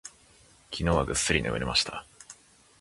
昨日はぐっすり眠れました。